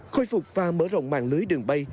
khôi phục và mở rộng mạng lưỡi đường bay